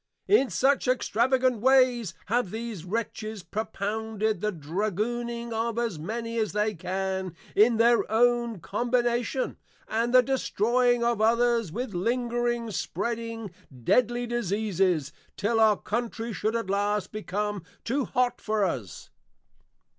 In such extravagant ways have these Wretches propounded, the Dragooning of as many as they can, in their own Combination, and the Destroying of others, with lingring, spreading, deadly diseases; till our Countrey should at last become too hot for us.